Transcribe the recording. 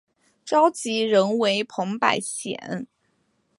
召集人为彭百显。